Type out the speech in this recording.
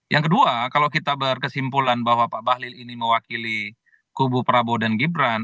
yang kedua kalau kita berkesimpulan bahwa pak bahlil ini mewakili kubu prabowo dan gibran